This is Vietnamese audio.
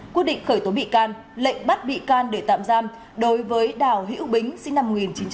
quyết định khởi tố bị can lệnh bắt bị can để tạm giam đối với đào hữu bính sinh năm một nghìn chín trăm tám mươi